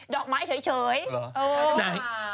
ดอกไม้เฉย